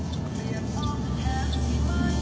นี่เป็นคลิปวีดีโอจากคุณบอดี้บอยสว่างอร่อย